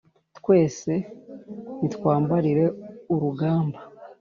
Twese ni twambarire urugamba”.